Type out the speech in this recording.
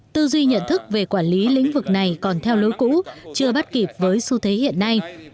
tư duy nhận thức về quản lý lĩnh vực này còn theo lối cũ chưa bắt kịp với xu thế hiện nay